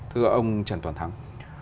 thưa ông trần toàn thắng